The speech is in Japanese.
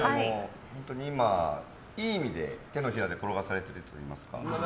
本当に今、いい意味で手のひらで転がされているといいますか。